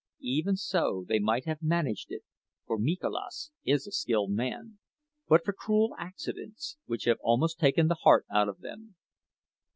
Even so they might have managed it (for Mikolas is a skilled man) but for cruel accidents which have almost taken the heart out of them.